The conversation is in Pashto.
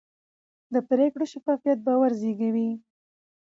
د پرېکړو شفافیت باور زېږوي